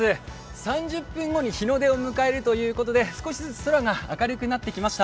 ３０分後に日の出を迎えるということで少しずつ空が明るくなってきました。